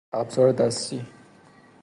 ابزار دستی